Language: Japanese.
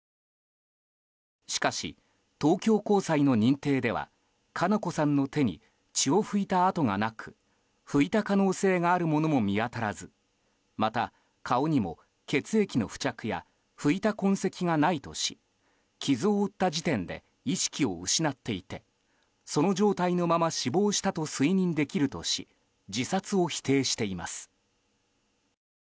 しかし東京高裁の認定では佳菜子さんの手に血を拭いた痕がなく拭いた可能性があるものも見当たらずまた顔にも、血液の付着や拭いた痕跡がないとし傷を負った時点で意識を失っていてその状態のまま死亡したと推認できるとし自殺を否定しています。